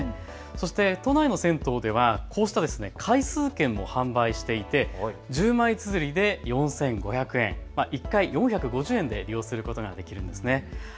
そして都内の銭湯ではこうした回数券も販売していて１０枚つづりで４５００円、１回４５０円で利用することができるんです。